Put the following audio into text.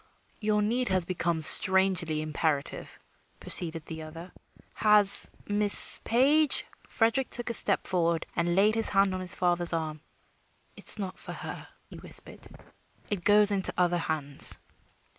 "Your need has become strangely imperative," proceeded the other. "Has Miss Page " Frederick took a step forward and laid his hand on his father's arm. "It is not for her," he whispered. "It goes into other hands."